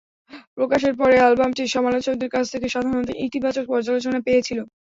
প্রকাশের পরে, অ্যালবামটি সমালোচকদের কাছ থেকে সাধারণত ইতিবাচক পর্যালোচনা পেয়েছিল।